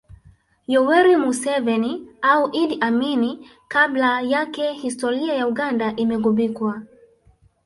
Yoweri Museveni au Idi Amin kabla yake historia ya Uganda imeghubikwa